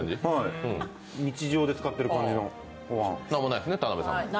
日常で使ってる感じのおわん。